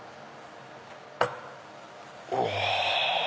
うわ！